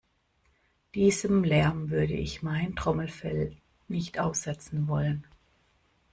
Diesem Lärm würde ich mein Trommelfell nicht aussetzen wollen.